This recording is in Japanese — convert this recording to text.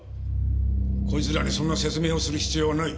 こいつらにそんな説明をする必要はない。